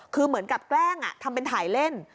คือเหมือนกับแกล้งทำเป็นถ่ายเล่น